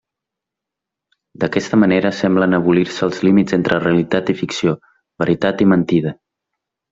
D'aquesta manera semblen abolir-se els límits entre realitat i ficció, veritat i mentida.